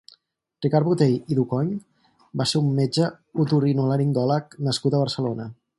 Ricard Botey i Ducoing va ser un metge otorinolaringòleg nascut a Barcelona.